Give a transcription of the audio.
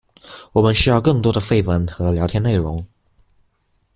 我們需要更多的廢文和聊天內容